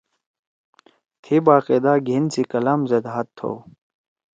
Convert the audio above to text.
تھیئے باقایدہ گھین سی کلام زید ہاتھ تھؤ۔